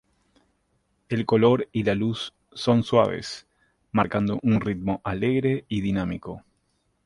El color y la luz son suaves, marcando un ritmo alegre y dinámico.